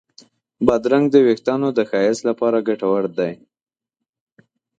بادرنګ د وېښتانو د ښایست لپاره ګټور دی.